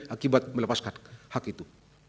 akibat melepaskan hak itu